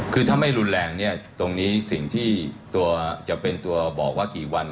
คือถ้าไม่รุนแรงเนี่ยตรงนี้จะเป็นตัวบอกว่ากี่วัน